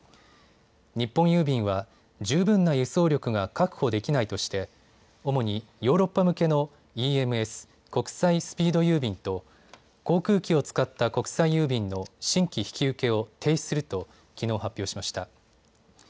日本郵便は十分な輸送力が確保できないとして主にヨーロッパ向けのＥＭＳ・国際スピード郵便と航空機を使った国際郵便の新規引き受けを停止するときのう発表しました。